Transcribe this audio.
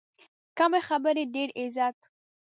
کمې خبرې، ډېر عزت.